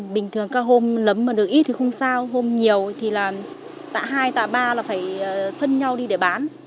bình thường các hôm lấm mà được ít thì không sao hôm nhiều thì là tạ hai tạ ba là phải phân nhau đi để bán